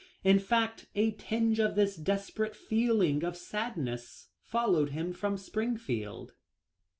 In fact a tinge of this desper ate feeling of sadness followed him to Springfield.